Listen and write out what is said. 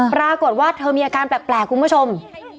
ปรากฏว่าเธอมีอาการแปลกคุณผู้ชม